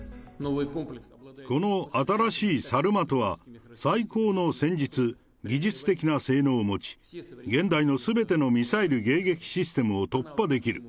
この新しいサルマトは、最高の戦術、技術的な性能を持ち、現代のすべてのミサイル迎撃システムを突破できる。